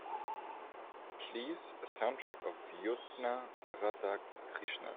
please, a sound track of Jyotsna Radhakrishnan